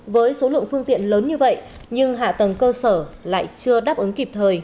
với số lượng phương tiện lớn như vậy nhưng hạ tầng cơ sở lại chưa đáp ứng kịp thời